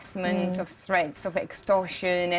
mereka menyebabkan penyakit penyakit penyakit penyakit